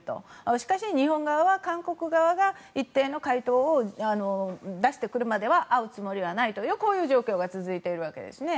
しかし、日本側は韓国側が一定の回答を出してくるまでは会うつもりはないという状況が続いているわけですね。